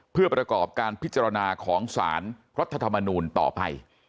เพื่อประกอบการพิจารณาของสารรัฐธรรมนูลต่อไป